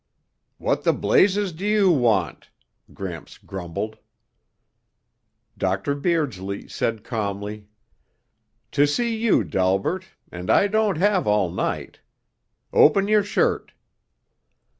"What the blazes do you want?" Gramps grumbled. Dr. Beardsley said calmly, "To see you, Delbert, and I don't have all night. Open your shirt."